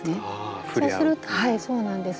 そうなんです。